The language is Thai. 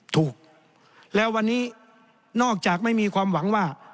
ถูกแล้ววันนี้นอกจากไม่มีความหวังว่า